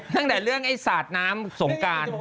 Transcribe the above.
ตั้งแต่เรื่องไอ้สาดน้ำสงการ